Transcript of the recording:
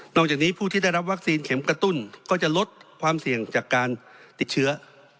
จากนี้ผู้ที่ได้รับวัคซีนเข็มกระตุ้นก็จะลดความเสี่ยงจากการติดเชื้อ